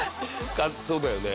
そうだよね。